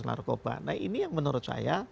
narkoba nah ini yang menurut saya